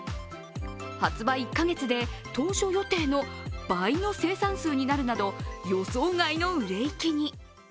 発売１カ月で当初予定の倍の生産数になるなど予想外の売れ行きに。